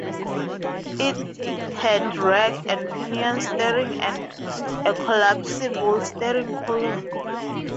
It had rack-and-pinion steering and a collapsible steering column.